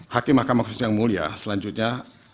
hakim mahkamah konstitusi yang mulia selanjutnya